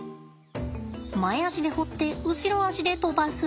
前足で掘って後ろ足で飛ばす。